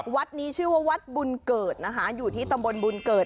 วัดนี้ชื่อว่าวัดบุญเกิดนะคะอยู่ที่ตำบลบุญเกิด